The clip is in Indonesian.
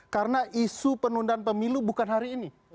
karena isu penundaan pemilu bukan hari ini